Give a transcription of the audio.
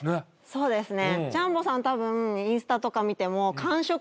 そうですね